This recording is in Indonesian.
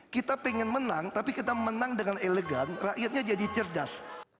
kita pengen menang tapi kita menang dengan elegan rakyatnya jadi cerdas